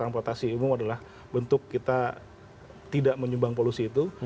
transportasi umum adalah bentuk kita tidak menyumbang polusi itu